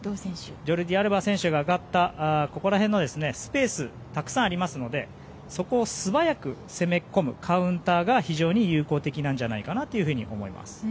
ジョルディ・アルバ選手が上がったスペースがたくさんできますからそこを素早く攻め込むカウンターが非常に有効的なんじゃないかなと思います。